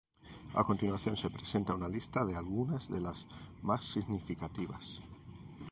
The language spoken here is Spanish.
A continuación se presenta una lista de algunas de las más significativas.